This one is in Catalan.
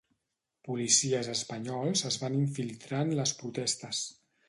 Policies espanyols es van infiltrar en les protestes